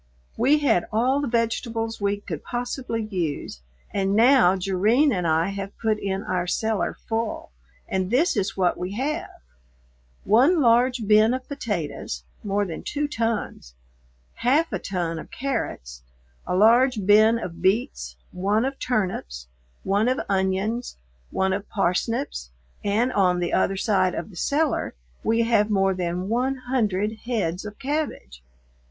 We had all the vegetables we could possibly use, and now Jerrine and I have put in our cellar full, and this is what we have: one large bin of potatoes (more than two tons), half a ton of carrots, a large bin of beets, one of turnips, one of onions, one of parsnips, and on the other side of the cellar we have more than one hundred heads of cabbage.